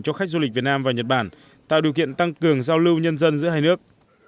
cho khách du lịch việt nam và nhật bản tạo điều kiện tăng cường giao lưu nhân dân giữa hai nước